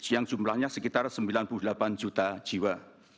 yang jumlahnya sekitar sembilan puluh delapan juta jiwa